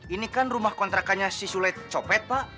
ini kan rumah kontrakannya si sulit copet pak